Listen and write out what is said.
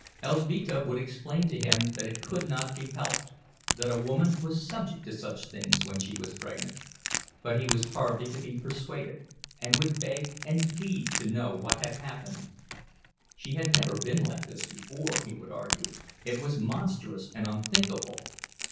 Elzbieta would explain to him that it could not be helped, that a woman was subject to such things when she was pregnant; but he was hardly to be persuaded, and would beg and plead to know what had happened. She had never been like this before, he would argue—it was monstrous and unthinkable.